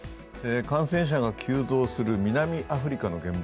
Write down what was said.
感染者が急増する南アフリカの現場。